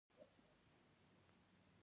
په خپل ځان کې مې یو شوم حس وکړ چې ډېر بد و.